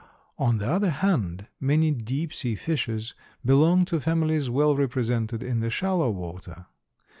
On the other hand, many deep sea fishes belong to families well represented in the shallow water.